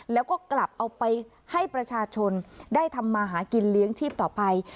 แล้วก็กลับเอาไปให้ประชาชนได้ทำมาหากินเลี้ยงชีพต่อไป